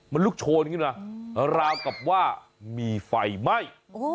มันลุกโชนขึ้นมาราวกับว่ามีไฟไหม้